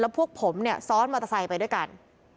แล้วพวกผมซ้อนมอเตอร์ไซค์ไปด้วยกัน